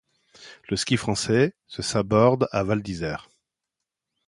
Le ski français se saborde à Val-d'Isère.